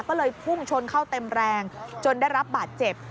ก็เลยพุ่งชนเข้าเต็มแรงจนได้รับบาดเจ็บ